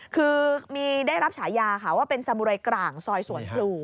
คือได้รับฉายาค่ะว่าเป็นสมุยกลางซอยสวนพลู